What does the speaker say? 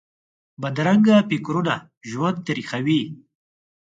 بدرنګه فکرونه ژوند تریخوي